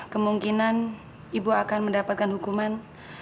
kemungkinan ibu akan mendapatkan hukuman